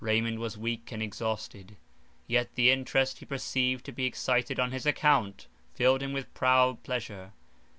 Raymond was weak and exhausted, yet the interest he perceived to be excited on his account, filled him with proud pleasure.